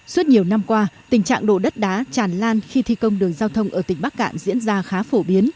suốt nhiều năm qua tình trạng đổ đất đá tràn lan khi thi công đường giao thông ở tỉnh bắc cạn diễn ra khá phổ biến